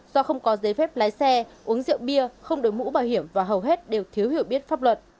do không có giấy phép lái xe uống rượu bia không đổi mũ bảo hiểm và hầu hết đều thiếu hiểu biết pháp luật